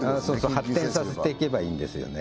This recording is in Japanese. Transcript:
発展させていけばいいんですよね